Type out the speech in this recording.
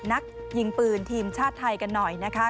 นักยิงปืนทีมชาติไทยกันหน่อยนะคะ